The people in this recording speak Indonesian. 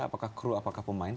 apakah crew apakah pemain